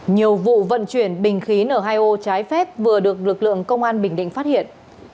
nhiều vụ vận chuyển bình khí n hai o trái phép vừa được lực lượng công an bình định phát hiện